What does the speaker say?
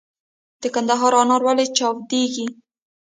د کندهار انار ولې چاودیږي؟